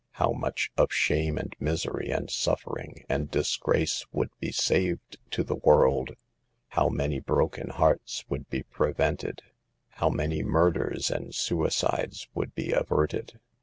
How much of shame and misery and suffering and disgrace would be saved to the world ! How many broken hearts would be prevented ! How many murders and suicides would be averted